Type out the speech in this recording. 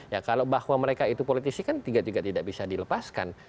ya kalau bahwa mereka itu politisi kan juga tidak bisa dilepaskan